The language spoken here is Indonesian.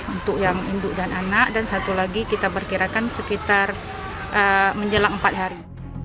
untuk yang induk dan anak dan satu lagi kita berkirakan sekitar menjelang empat hari